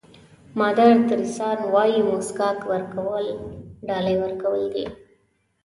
مادر تریسیا وایي موسکا ورکول ډالۍ ورکول دي.